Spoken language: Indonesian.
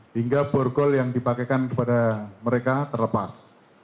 hingga borgol yang dipakaikan kepada mereka terlepas